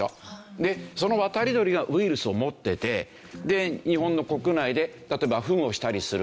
でその渡り鳥がウイルスを持っててで日本の国内で例えばフンをしたりする。